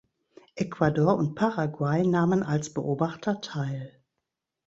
Ecuador und Paraguay nahmen als Beobachter teil.